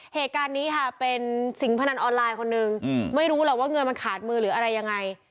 เหตุการณ์นี้ค่ะเป็นสิงพนันออนไลน์คนนึงไม่รู้หรอกว่าเงินมันขาดมือหรืออะไรยังไง